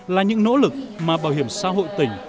là những nỗ lực mà bảo hiểm xã hội tỉnh